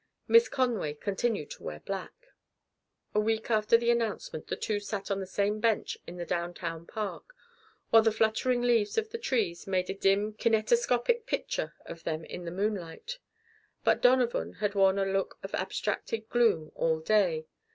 Miss Conway continued to wear black. A week after the announcement the two sat on the same bench in the downtown park, while the fluttering leaves of the trees made a dim kinetoscopic picture of them in the moonlight. But Donovan had worn a look of abstracted gloom all day.